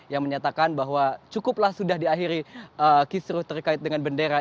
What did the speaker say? yang menyatakan bahwa cukuplah sudah diakhiri kisruh terkait dengan bendera